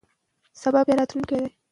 د ګلونو بوی حس کړئ.